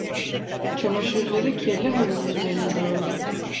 Çamaşırları kirli halının üzerine dağıldı.